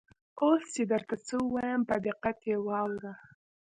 اوس چې درته څه وایم په دقت یې واوره.